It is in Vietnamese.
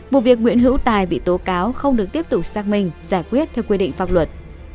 vụ việc nguyễn hữu tài bị tố cáo không được tiếp tục xác minh giải quyết theo quy định pháp luật